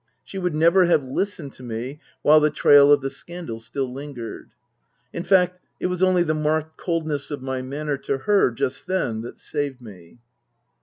She would never have listened to me while the trail of the scandal still lingered. In fact, it was only the marked coldness of my manner to her just then that saved me.